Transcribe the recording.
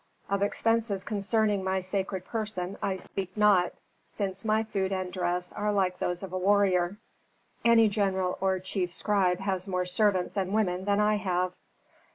Of expenses concerning my sacred person I speak not, since my food and dress are like those of a warrior; any general or chief scribe has more servants and women than I have."